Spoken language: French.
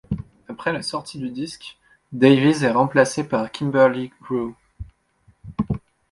Après la sortie du disque, Davies est remplacé par Kimberley Rew.